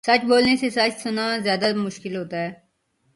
سچ بولنے سے سچ سنا زیادہ مشکل ہوتا ہے